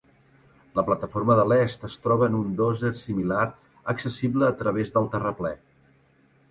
La plataforma de l'est es troba en un dosser similar accessible a través del terraplè.